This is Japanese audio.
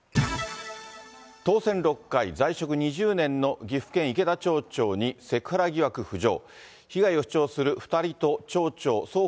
当選６回、在職２０年の岐阜県池田町長にセクハラ疑惑浮上。